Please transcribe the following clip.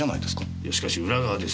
いやしかし裏側です。